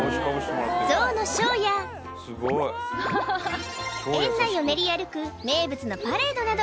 ゾウのショーや園内を練り歩く名物のなど